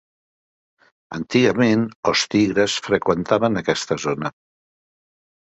Antigament, els tigres freqüentaven aquesta zona.